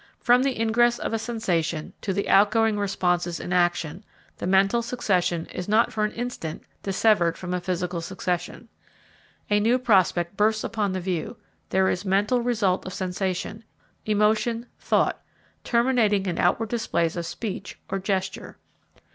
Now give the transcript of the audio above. From the ingress of a sensation, to the outgoing responses in action, the mental succession is not for an instant dissevered from a physical succession. A new prospect bursts upon the view; there is mental result of sensation, emotion, thought terminating in outward displays of speech or gesture.